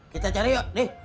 kita cari yuk dih